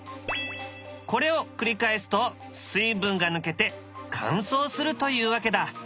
これを繰り返すと水分が抜けて乾燥するというわけだ。